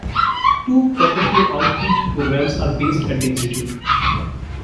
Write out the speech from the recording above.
Two professional outreach programs are based at the Institute.